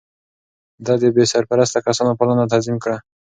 ده د بې سرپرسته کسانو پالنه تنظيم کړه.